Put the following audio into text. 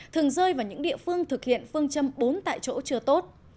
thường rơi vào những địa phương thực hiện phương châm bốn tại chỗ chưa tốt